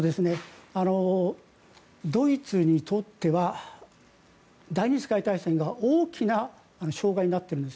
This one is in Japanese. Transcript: ドイツにとっては第２次世界大戦が大きな障害になっているんです。